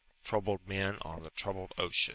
TROUBLED MEN ON THE TROUBLED SEA.